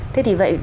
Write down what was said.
thế thì vậy